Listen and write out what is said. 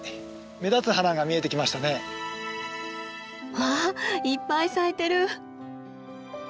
わあいっぱい咲いてる！